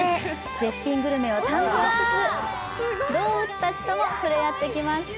絶品グルメを堪能しつつ動物たちとも触れ合ってきました。